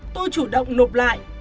tôi chủ động nộp lại